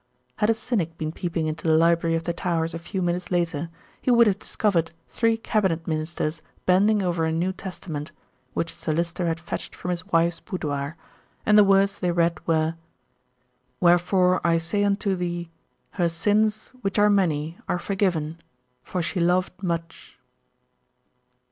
Had a cynic been peeping into the library of The Towers a few minutes later, he would have discovered three Cabinet Ministers bending over a New Testament, which Sir Lyster had fetched from his wife's boudoir, and the words they read were: "Wherefore I say unto thee, Her sins, which are many, are forgiven; for she loved much."